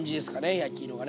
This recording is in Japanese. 焼き色がね。